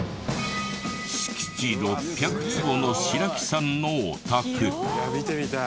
敷地６００坪の白木さんのお宅。